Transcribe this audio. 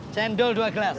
jendol dua gelas